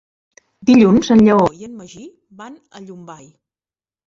Dilluns en Lleó i en Magí van a Llombai.